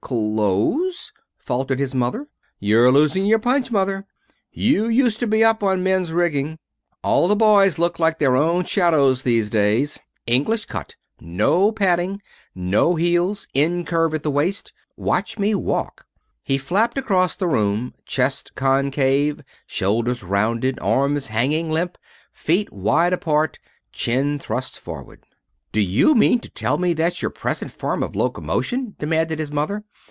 "Clothes?" faltered his mother. "You're losing your punch, Mother? You used to be up on men's rigging. All the boys look like their own shadows these days. English cut. No padding. No heels. Incurve at the waist. Watch me walk." He flapped across the room, chest concave, shoulders rounded, arms hanging limp, feet wide apart, chin thrust forward. "Do you mean to tell me that's your present form of locomotion?" demanded his mother.